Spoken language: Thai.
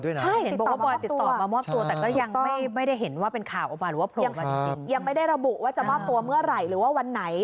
ยังไม่ได้ระบุว่าจะวาบตัวเมื่อไหร่หรือว่าวันไหน